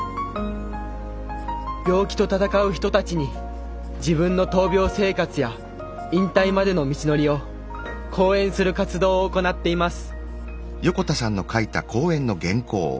病気と闘う人たちに自分の闘病生活や引退までの道のりを講演する活動を行っています。